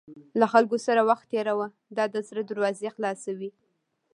له خلکو سره وخت تېروه، دا د زړه دروازې خلاصوي.